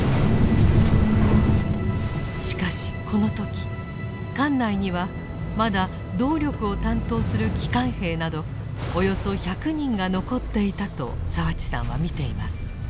しかしこの時艦内にはまだ動力を担当する機関兵などおよそ１００人が残っていたと澤地さんは見ています。